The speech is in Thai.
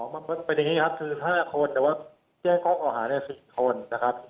มันเป็นอย่างนี้ครับคือ๕คนแต่ว่าแจ้งข้อเก่าหาเนี่ย๔คนนะครับ